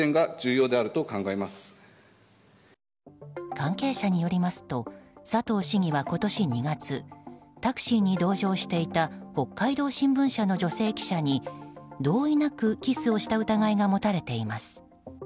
関係者によりますと佐藤市議は今年２月タクシーに同乗していた北海道新聞社の女性記者に同意なくキスをした疑いが持たれています。